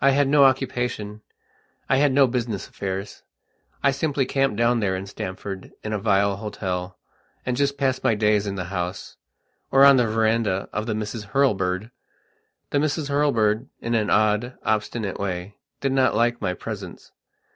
I had no occupationI had no business affairs. I simply camped down there in Stamford, in a vile hotel, and just passed my days in the house, or on the verandah of the Misses Hurlbird. The Misses Hurlbird, in an odd, obstinate way, did not like my presence.